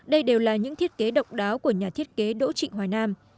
đây đều là những thiết kế độc đáo của nhà thiết kế đỗ trịnh hoài nam